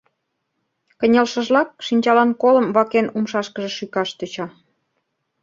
Кынелшыжлак, шинчалан колым вакен умшашкыже шӱкаш тӧча.